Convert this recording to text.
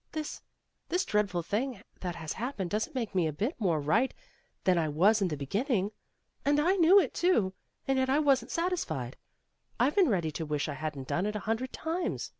This this dreadful thing that has happened doesn't make me a bit more right than I was in the beginning. And I knew it, too, and yet I wasn't satisfied. I've been ready to wish I hadn't done it a hundred times.